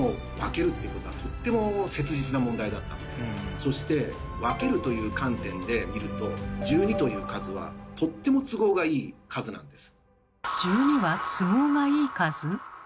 そして「分ける」という観点で見ると１２という数はとっても都合がいい数なんです。